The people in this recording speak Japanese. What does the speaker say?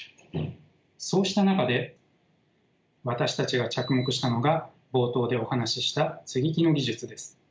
そうした中で私たちが着目したのが冒頭でお話しした接ぎ木の技術です。